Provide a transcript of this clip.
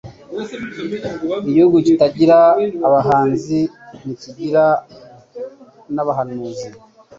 Igihugu kitagira Abahanzi ,ntikigira n’Abahanuzi